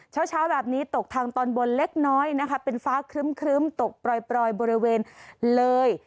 เช้าแบบนี้ตกทางตอนบนเล็กน้อยนะคะเป็นฟ้าครึ้มตกปล่อยบริเวณเลย